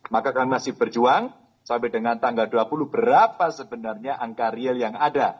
maka kami masih berjuang sampai dengan tanggal dua puluh berapa sebenarnya angka real yang ada